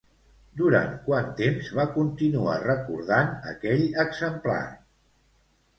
Durant quant temps va continuar recordant aquell exemplar?